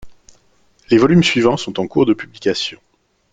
Les volumes suivants sont en cours de publication.